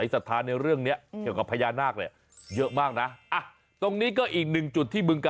อย่างนี้เลยนะคอนเซปต์ก็คือ